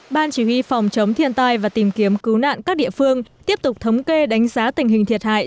ban chỉ huy phòng chống thiên tai và tìm kiếm cứu nạn các địa phương tiếp tục thống kê đánh giá tình hình thiệt hại